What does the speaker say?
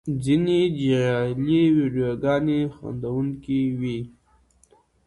ځینې جعلي ویډیوګانې خندوونکې وي.